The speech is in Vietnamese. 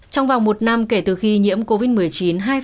trong vòng một năm kể từ khi nhiễm covid một mươi chín